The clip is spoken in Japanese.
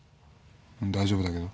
大丈夫だけど？